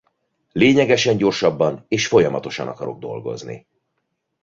Lényegesen gyorsabban és folyamatosan akarok dolgozni.